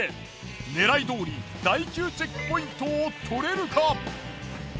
狙いどおり第９チェックポイントを取れるか！？